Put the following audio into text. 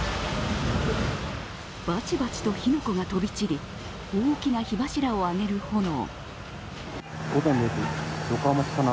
バチバチと火の粉が飛び散り大きな火柱を上げる炎。